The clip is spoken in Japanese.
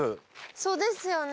そうですよね。